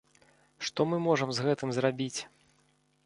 Што мы можам з гэтым зрабіць?